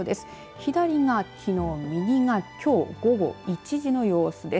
左がきのう、右がきょう午後１時の様子です。